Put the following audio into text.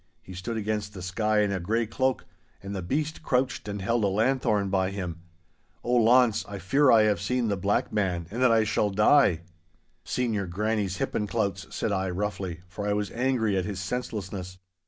He stood against the sky in a grey cloak, and the beast crouched and held a lanthorn by him. Oh, Launce, I fear I have seen the Black Man, and that I shall die.' 'Seen your granny's hippen clouts!' said I, roughly, for I was angry at his senselessness.